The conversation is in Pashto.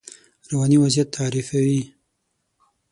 رواني وضعیت تعریفوي.